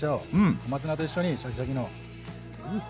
小松菜と一緒にシャキシャキの。